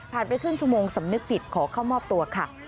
ไปครึ่งชั่วโมงสำนึกผิดขอเข้ามอบตัวค่ะ